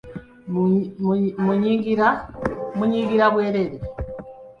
Munyiigira bwereere.